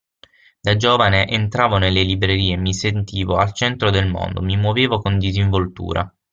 Da giovane entravo nelle librerie e mi sentivo al centro del mondo, mi muovevo con disinvoltura.